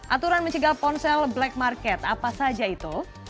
aturan mencegah ponsel black market apa saja itu